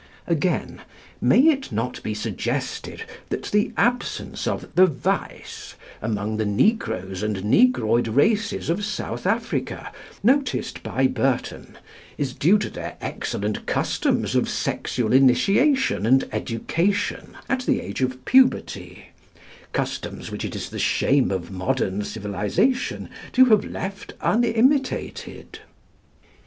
Again, may it not be suggested that the absence of "the Vice" among the negroes and negroid races of South Africa, noticed by Burton, is due to their excellent customs of sexual initiation and education at the age of puberty customs which it is the shame of modern civilisation to have left unimitated?